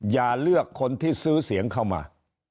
อย่าเลือกคนที่ซื้อเสียงเข้ามา